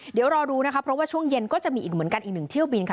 เดี๋ยวรอดูนะคะเพราะว่าช่วงเย็นก็จะมีอีกเหมือนกันอีกหนึ่งเที่ยวบินค่ะ